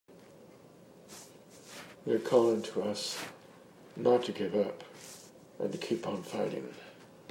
They're calling to us not to give up and to keep on fighting!